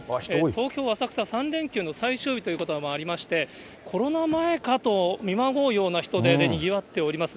東京・浅草、３連休の最終日ということもありまして、コロナ前かと見まごうような人出でにぎわっております。